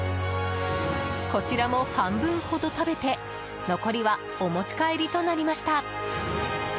こちらも半分ほど食べて残りはお持ち帰りとなりました。